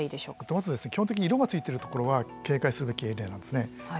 まず基本的に色がついてるところは警戒するべきエリアなんですね。